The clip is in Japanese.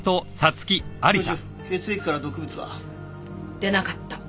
教授血液から毒物は？出なかった。